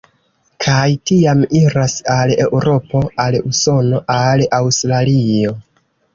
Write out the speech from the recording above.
Kaj tiam iras al Eŭropo, al Usono, al Aŭstralio.